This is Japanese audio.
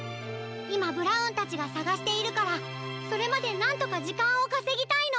いまブラウンたちがさがしているからそれまでなんとかじかんをかせぎたいの。